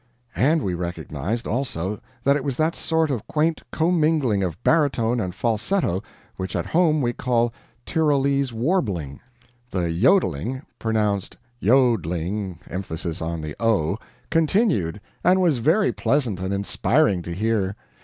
And we recognized, also, that it was that sort of quaint commingling of baritone and falsetto which at home we call "Tyrolese warbling." The jodeling (pronounced yOdling emphasis on the O) continued, and was very pleasant and inspiriting to hear.